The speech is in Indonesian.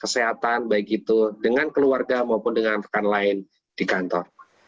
kesehatan baik itu dengan keluarga maupun dengan rekan lain di kantor